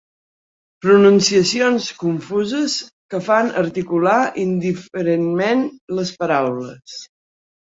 Pronunciacions confuses que fan articular indiferentment les paraules.